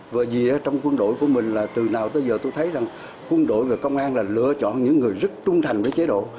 vì trong quân đội của mình từ nào tới giờ tôi thấy quân đội và công an lựa chọn những người rất trung thành với chế độ